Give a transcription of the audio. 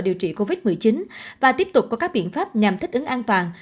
điều trị covid một mươi chín và tiếp tục có các biện pháp nhằm thích ứng an toàn